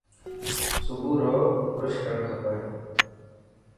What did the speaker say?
صبح رو برش ڪرڻ کپي